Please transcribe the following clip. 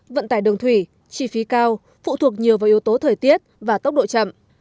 vận tải đường thủy chi phí cao phụ thuộc nhiều vào yếu tố thời tiết và tốc độ chậm